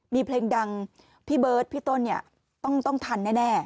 มีเพลงดังพี่เบิร์ตพี่ต้นเนี่ยต้องทันแน่